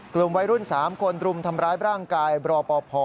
กลุ่มวัยรุ่น๓คนรุมทำร้ายร่างกายบรปภ